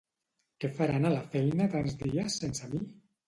Què faran a la feina tants dies sense mi?